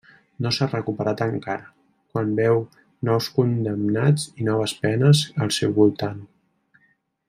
No s'ha recuperat encara, quan veu nous condemnats i noves penes al seu voltant.